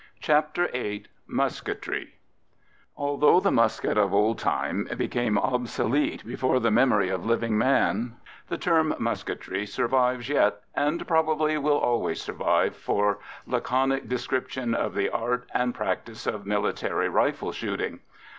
CHAPTER VIII MUSKETRY Although the musket of old time became obsolete before the memory of living man, the term "musketry" survives yet, and probably will always survive for laconic description of the art and practice of military rifle shooting.